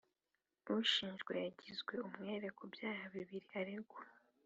ushinjwa yagizwe umwere ku byaha bibiri aregwa.